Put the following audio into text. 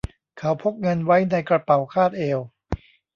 เขาพกเงินไว้ในกระเป๋าคาดเอว